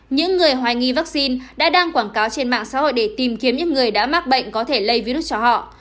những người hoài nghi vaccine đã đăng quảng cáo trên mạng xã hội để tìm kiếm những người đã mắc bệnh có thể lây virus cho họ